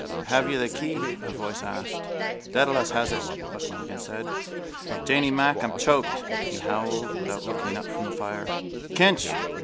—Have you the key? a voice asked. —Dedalus has it, Buck Mulligan said. Janey Mack, I'm choked! He howled, without looking up from the fire: —Kinch!